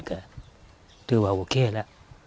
ความว่าโอเคละ